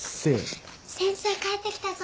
先生帰ってきたぞ。